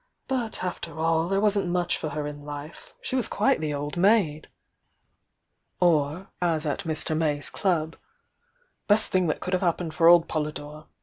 But, after all, there wasn't much for her in life— she was quite the old maid!" Or, a8 at Mr. May s club: "Best thing that could have happened for old Poly dore!